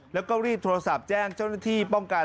แล้วก็รีบโทรศัพท์แจ้งเจ้าหน้าที่ป้องกัน